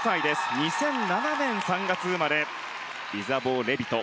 ２００７年３月生まれイザボー・レビト。